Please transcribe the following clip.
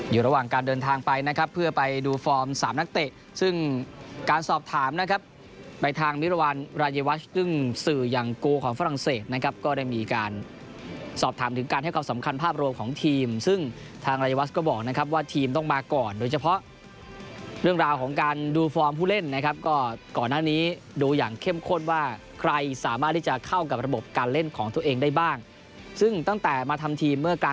อยู่ระหว่างการเดินทางไปนะครับเพื่อไปดูฟอร์ม๓นักเตะซึ่งการสอบถามนะครับไปทางมิรวรรณรายวัฒน์ซึ่งสื่ออย่างโกของฝรั่งเศสนะครับก็ได้มีการสอบถามถึงการให้ความสำคัญภาพโรคของทีมซึ่งทางรายวัฒน์ก็บอกนะครับว่าทีมต้องมาก่อนโดยเฉพาะเรื่องราวของการดูฟอร์มผู้เล่นนะครับก็ก่อนหน้านี้ดูอย่างเข